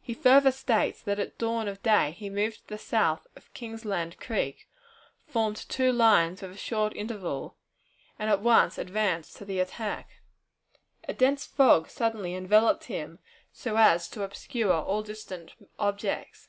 He further states that at dawn of day he moved to the south of Kingsland Creek, formed two lines with a short interval, and at once advanced to the attack. A dense fog suddenly enveloped him, so as to obscure all distant objects.